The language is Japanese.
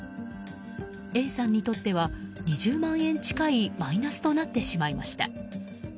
Ａさんにとっては２０万円近いマイナスとなってしまいました。